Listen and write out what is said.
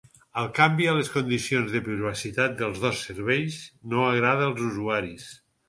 El canvi a les condicions de privacitat dels dos serveis no agrada als usuaris